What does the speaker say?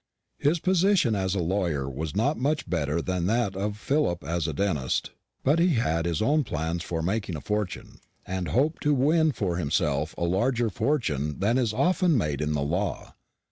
His position as a lawyer was not much better than that of Philip as a dentist; but he had his own plans for making a fortune, and hoped to win for himself a larger fortune than is often made in the law.